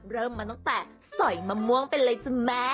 เริ่มมาตั้งแต่สอยมะม่วงไปเลยจ้ะแม่